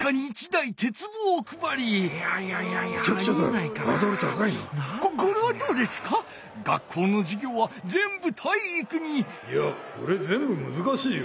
いやこれぜんぶむずかしいよ。